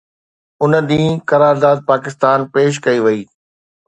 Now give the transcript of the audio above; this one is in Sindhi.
ان ڏينهن قرارداد پاڪستان پيش ڪئي وئي